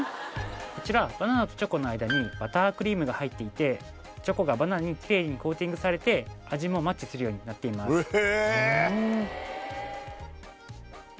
こちらバナナとチョコの間にバタークリームが入っていてチョコがバナナにきれいにコーティングされて味もマッチするようになっていますへえ！